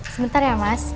sebentar ya mas